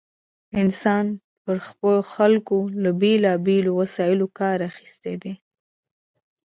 انسان پر خلکو له بېلا بېلو وسایلو کار اخیستی دی.